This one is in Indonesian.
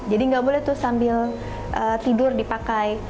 jadi nggak boleh tuh sambil tidur dipakai